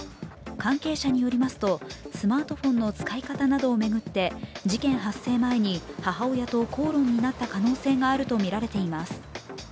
関係者によりますとスマートフォンの使い方などを巡って事件発生前に母親と口論になった可能性があるとみられています。